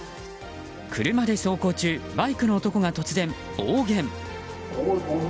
車で走行中バイクの男が突然、暴言。